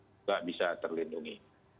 tidak bisa terlindungi